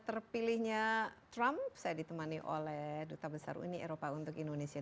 tapi benar ada kekurangan besar di antara konstituensi besar